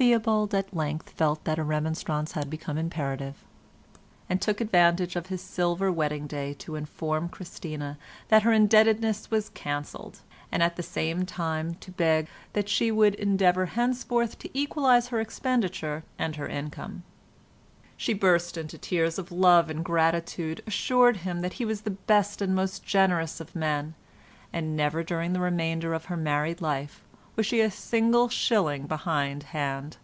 Theobald at length felt that a remonstrance had become imperative, and took advantage of his silver wedding day to inform Christina that her indebtedness was cancelled, and at the same time to beg that she would endeavour henceforth to equalise her expenditure and her income. She burst into tears of love and gratitude, assured him that he was the best and most generous of men, and never during the remainder of her married life was she a single shilling behind hand.